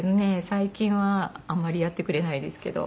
最近はあんまりやってくれないですけど。